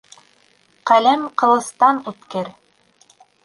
Ҡәләм ҡылыстан үткер.